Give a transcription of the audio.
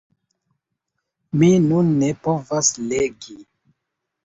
Mi nun ne povas legi.